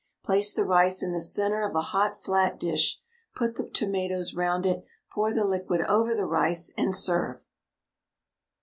Place the rice in the centre of a hot flat dish, put the tomatoes round it, pour the liquid over the rice, and serve.